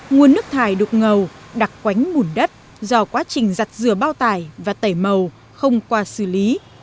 nguồn nước thải đục ngầu đặc quánh bùn đất do quá trình giặt rửa bao tải và tẩy màu không qua xử lý